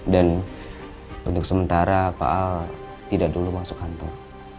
dan untuk sementara pak al tidak dulu masuk kantor